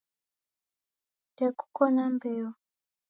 Ndekuko na mbeo